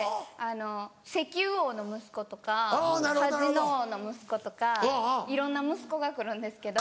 石油王の息子とかカジノ王の息子とかいろんな息子が来るんですけど。